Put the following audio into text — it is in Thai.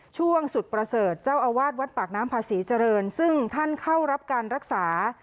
ช่วงสุดประเสริฐเจ้าอาวาสวัดปากน้ำพาศรีเจริญซึ่งท่านเข้ารับการรักษา